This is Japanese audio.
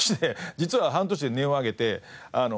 実は半年で音を上げて。